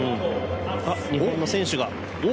日本の選手が。